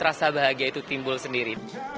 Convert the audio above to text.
rasa bahagia itu timbul sendiri